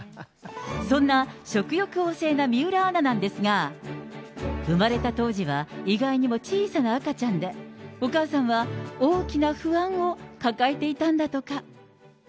そんな食欲旺盛な水卜アナなんですが、産まれた当時は意外にも小さな赤ちゃんで、お母さんは大きな不安を抱えていたんだとか。